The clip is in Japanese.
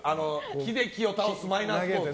木で木を倒すマイナースポーツ。